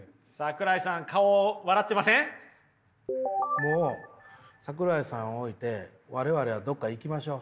もう桜井さん置いて我々はどこか行きましょう。